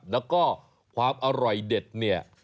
แล้วก็ความอร่อยเด็ดเนี่ย